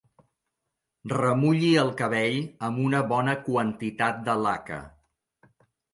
Remulli el cabell amb una bona quantitat de laca.